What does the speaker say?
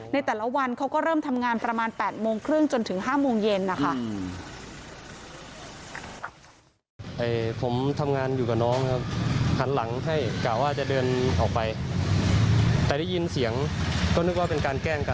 ในแต่ละวันเขาก็เริ่มทำงานประมาณ๘โมงครึ่งจนถึง๕โมงเย็นนะคะ